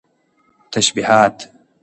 تشبيهات